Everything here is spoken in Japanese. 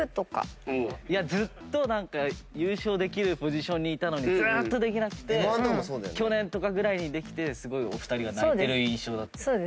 ずっと優勝できるポジションにいたのにずーっとできなくて去年とかぐらいにできてすごいお二人が泣いてる印象だった。